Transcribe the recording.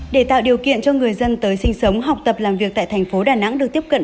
để tạo điều kiện cho người dân tới sinh sống học tập làm việc tại thành phố đà nẵng được tiếp cận